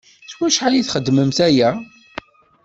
S wacḥal i txeddmemt aya?